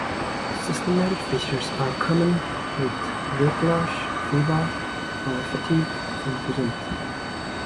Systemic features are common, with weight loss, fever, or fatigue often present.